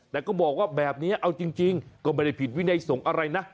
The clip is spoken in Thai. แต่ก็บอกว่าแบบนี้เอาจริงก็ไม่ได้ผิดวินัยสงฆ์อะไรนะ